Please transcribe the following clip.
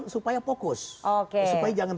supaya fokus supaya jangan